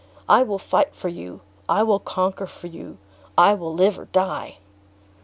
I will fight for you, I will conquer for you I will live or die!"